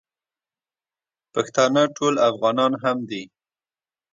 پښتانه ټول افغانان هم دي.